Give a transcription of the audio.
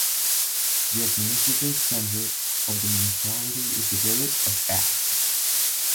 The administrative centre of the municipality is the village of Ask.